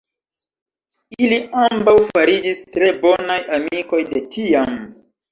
Ili ambaŭ fariĝis tre bonaj amikoj de tiam.